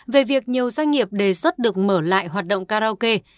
về việc nhiều doanh nghiệp đề xuất được mở lại hoạt động karaoke